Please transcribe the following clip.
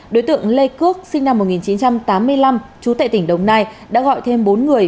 đối tượng lê cước sinh năm một nghìn chín trăm tám mươi năm trú tại tỉnh đồng nai đã gọi thêm bốn người